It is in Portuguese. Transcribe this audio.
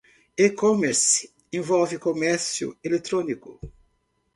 E-commerce envolve comércio eletrônico.